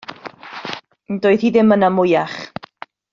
Doedd hi ddim yno mwyach.